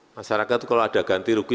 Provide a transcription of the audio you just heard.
masyarakat itu kalau ada ganti rugi